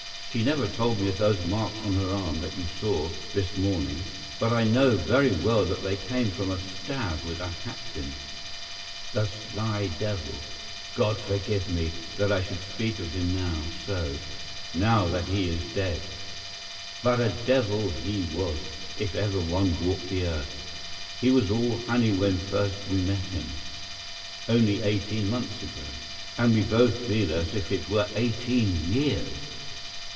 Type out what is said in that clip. She never told me of those marks on her arm that you saw this morning, but I know very well that they come from a stab with a hatpin. The sly devil—God forgive me that I should speak of him so, now that he is dead! But a devil he was, if ever one walked the earth. He was all honey when first we met him—only eighteen months ago, and we both feel as if it were eighteen years.